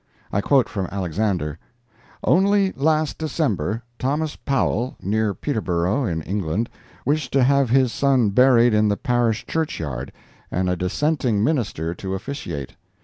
I quote from Alexander: "Only last December, Thomas Powell, near Peterborough in England, wished to have his son buried in the parish church yard, and a Dissenting minister to officiate.